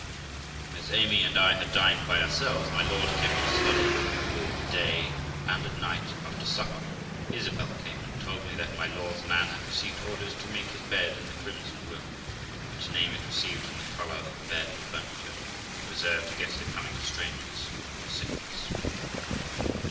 As Amy and I had dined by ourselves, my lord kept his study all the day, and at night, after supper, Isabel came and told me that my lord's man had received orders to make his bed in the crimson room, which name it received from the colour of the bed and furniture, and was reserved against the coming of strangers, or sickness.